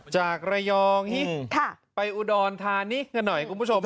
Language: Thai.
จากระยองไปอุดรธานีกันหน่อยคุณผู้ชม